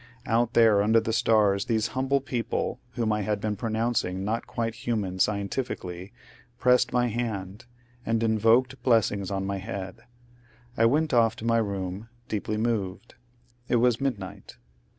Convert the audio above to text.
Out there under the stars these humble people, whom I had been pronouncing not quite human scientifically, pressed my hand, and invoked blessings on my head. I went off to my room, deeply moved. It was midnight.